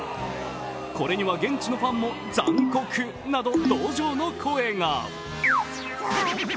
これには現地のファンも「残酷」など同情の声が。